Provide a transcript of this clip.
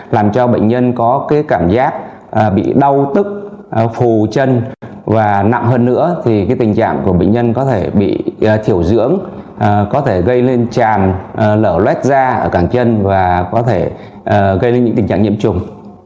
làm cho bệnh nhân có cái cảm giác bị đau tức phù chân và nặng hơn nữa thì tình trạng của bệnh nhân có thể bị thiểu dưỡng có thể gây lên tràn lở lét da ở càng chân và có thể gây lên những tình trạng nhiễm trùng